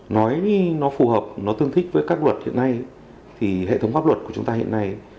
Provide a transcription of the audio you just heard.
nói nó phù hợp nó tương thích với các luật hiện nay thì hệ thống pháp luật của chúng ta hiện nay